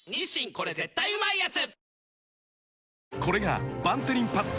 これ絶対うまいやつ」